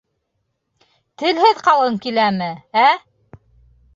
Телһеҙ ҡалғың киләме, ә?